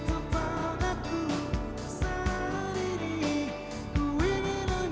masa masa ku sering berbual